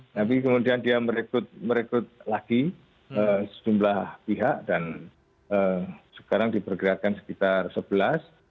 tapi kemudian dia merekrut lagi sejumlah pihak dan sekarang diperkirakan sekitar sebelas